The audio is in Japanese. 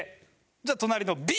じゃあ隣のＢ。